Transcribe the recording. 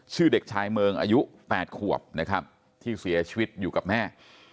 เด็กชายเมืองอายุ๘ขวบนะครับที่เสียชีวิตอยู่กับแม่